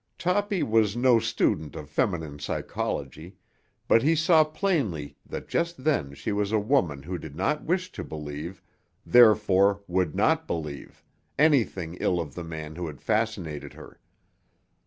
Toppy was no student of feminine psychology, but he saw plainly that just then she was a woman who did not wish to believe, therefore would not believe, anything ill of the man who had fascinated her.